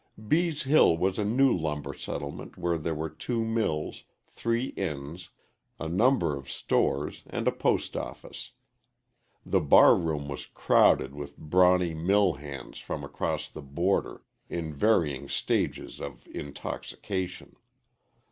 Bees' Hill was a new lumber settlement where there were two mills, three inns, a number of stores, and a post office. The bar room was crowded with brawny mill hands from across the border, in varying stages of intoxication.